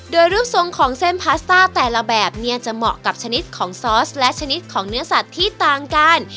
โดยรูปทรงของเส้นพาสต้าแต่ละแบบเนี่ยจะเหมาะกับชนิดของซอสและชนิดของเนื้อสัตว์ที่ต่างกัน